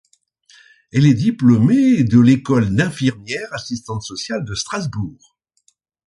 Elle est diplômée de l’école d’infirmières-assistantes sociales de Strasbourg.